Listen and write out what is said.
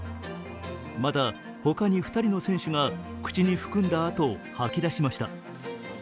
また、他に２人の選手が口に含んだあと吐き出しました。